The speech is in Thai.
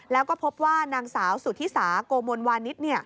แล้วก็พบว่านางสาวสุธิสาโกมลวานิส